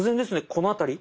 この辺り。